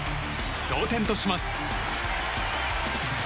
同点とします。